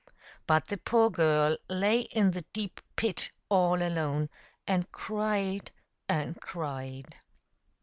But the poor girl lay in the deep pit all alone, and cried and cried.